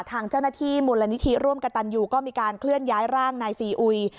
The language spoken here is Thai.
ทางเจ้าหน้าที่มูลนิธิร่วมกับตันยูก็มีการเคลื่อนย้ายร่างนายซีอุย